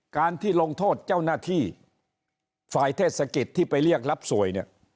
การที่ลงโทษเจ้าหน้าที่ฝ่ายเทศกิจที่ไปเรียกรับสวยเนี่ย